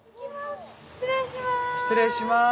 失礼します！